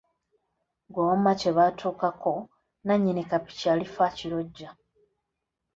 Ggwe wamma kye baatuukako nnannyini kapiki alifa akirojja.